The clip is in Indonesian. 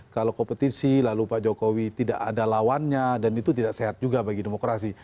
kalau kompetisi lalu pak jokowi tidak ada lawannya dan itu tidak sehat juga bagi demokrasi